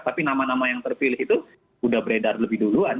tapi nama nama yang terpilih itu sudah beredar lebih duluan